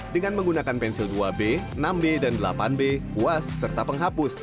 dengan menggunakan pensil dua b enam b dan delapan b kuas serta penghapus